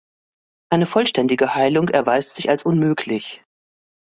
Eine vollständige Heilung erweist sich als unmöglich.